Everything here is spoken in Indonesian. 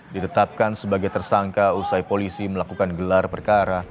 ditetapkan sebagai tersangka usai polisi melakukan gelar perkara